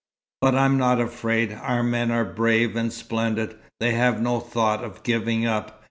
But I'm not afraid. Our men are brave, and splendid. They have no thought of giving up.